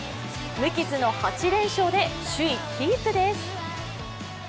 無傷の８連勝で首位キープです。